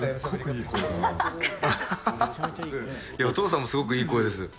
お父さんもすごくいい声です。